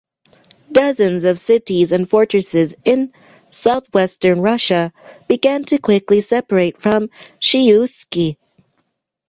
Dozens of cities and fortresses in southwestern Russia began to quickly separate from Shuisky.